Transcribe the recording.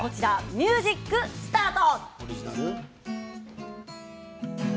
ミュージックスタート！